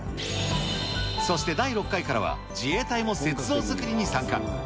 そして第６回からは、自衛隊も雪像作りに参加。